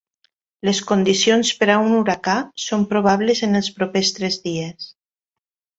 Les condicions per a un huracà són probables en els propers tres dies.